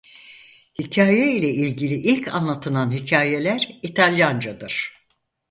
Hikâye ile ilgili ilk anlatılan hikâyeler İtalyancadır.